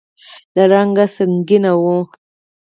له رنګ سکڼۍ و.